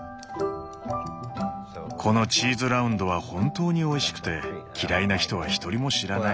このチーズラウンドは本当においしくて嫌いな人は一人も知らない。